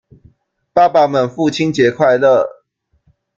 爸爸們父親節快樂！